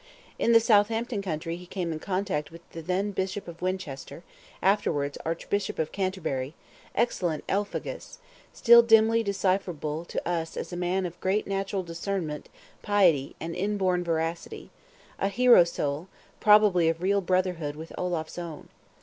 In the Southampton country he came in contact with the then Bishop of Winchester, afterwards Archbishop of Canterbury, excellent Elphegus, still dimly decipherable to us as a man of great natural discernment, piety, and inborn veracity; a hero soul, probably of real brotherhood with Olaf's own.